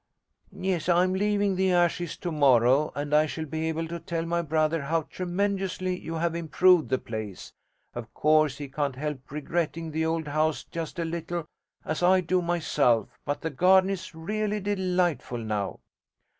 'Yes, I'm leaving the Ashes to morrow, and I shall be able to tell my brother how tremendously you have improved the place. Of course he can't help regretting the old house just a little as I do myself but the garden is really delightful now.'